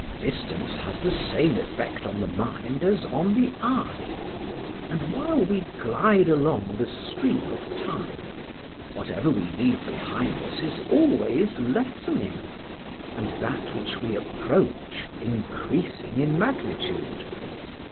Distance has the same effect on the mind as on the eye; and while we glide along the stream of time, whatever we leave behind us is always lessening, and that which we approach increasing in magnitude.